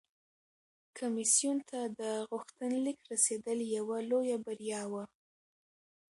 کمیسیون ته د غوښتنلیک رسیدل یوه لویه بریا وه